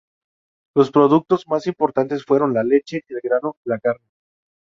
Los productos más importantes fueron la leche, el grano y la carne.